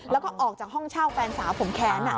แล้วก็ออกจากห้องเช่าแฟนสาวผมแค้น